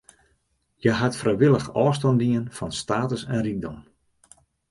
Hja hat frijwillich ôfstân dien fan status en rykdom.